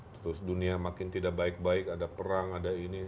terus dunia makin tidak baik baik ada perang ada ini